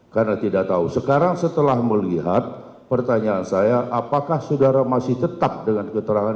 karena tidak tahu sekarang setelah melihat pertanyaan saya apakah saudara masih tetap dengan keterangan